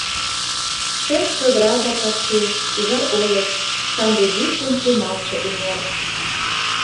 Шем чодыра да пасу, ужар олык, Канде вӱд ден темалтше эҥер.